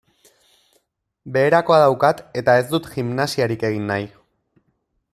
Beherakoa daukat eta ez dut gimnasiarik egin nahi.